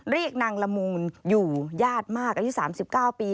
เรียกนางละมูลอยู่ยาดมากอายุ๓๙ปี